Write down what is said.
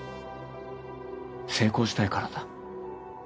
成功したいからだ